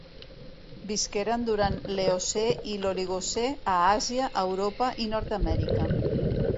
Visqueren durant l'Eocè i l'Oligocè a Àsia, Europa i Nord-amèrica.